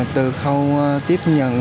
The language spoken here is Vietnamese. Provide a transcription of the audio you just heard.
từ khâu tiếp nhận